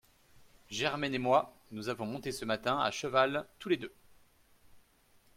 Germaine et moi, nous avons monté ce matin à cheval tous les deux…